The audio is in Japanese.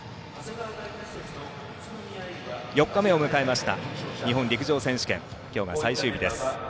４日目を迎えました日本陸上選手権今日が最終日です。